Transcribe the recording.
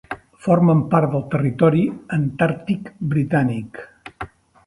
Formen part del Territori Antàrtic Britànic.